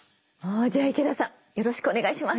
じゃあ池田さんよろしくお願いします。